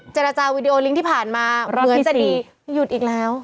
จรจาวีดีโอลิงค์ที่ผ่านมาเหมือนจะดี